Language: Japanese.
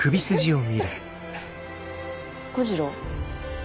彦次郎？